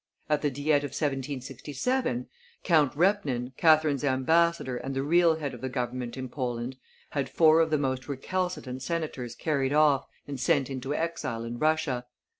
At the Diet of 1767, Count Repnin, Catherine's ambassador and the real head of the government in Poland, had four of the most recalcitrant senators carried off and sent into exile in Russia.